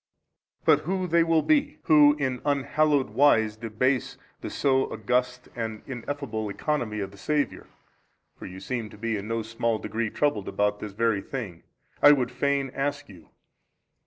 But who they will be who in unhallowed wise debase the so august and ineffable Economy of the Saviour (for you seem to be in no small degree troubled about this very thing) I would fain ask you.